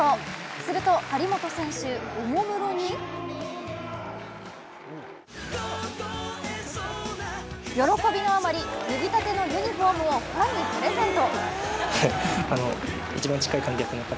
すると張本選手、おもむろに喜びのあまり、脱ぎたてのユニフォームをファンにプレゼント。